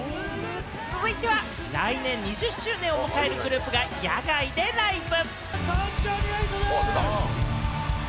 続いては、来年２０周年を迎えるグループが野外でライブ。